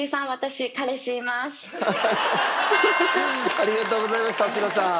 ありがとうございます田代さん。